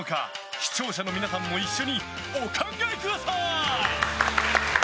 視聴者の皆さんも一緒にお考えください！